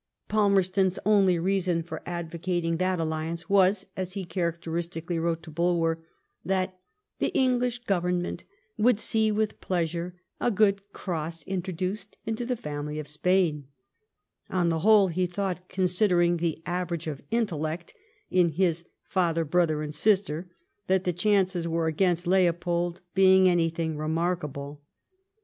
Falmerston's only reason for advocating that alliance was, as he cha racteristically wrote to Bulwer, that ''the English Government would see with pleasure a good cross in troduced into the family of Spain ;" on the whole he thought, considering the average of intellect in his father, brother, and sister^ that the chances were against Leopold being anything remarkable.